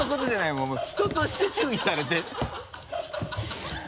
もう人として注意されて